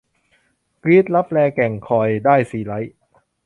กรี๊ด !'ลับแล แก่งคอย' ได้ซีไรต์ !